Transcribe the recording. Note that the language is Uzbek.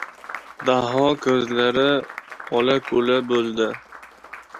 Daho ko‘zlari ola-kula bo‘ldi